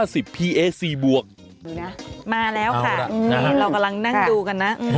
ดูนะมาแล้วค่ะนี่เรากำลังนั่งดูกันนะ